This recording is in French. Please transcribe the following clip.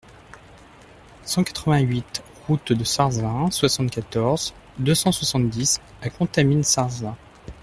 cent quatre-vingt-huit route de Sarzin, soixante-quatorze, deux cent soixante-dix à Contamine-Sarzin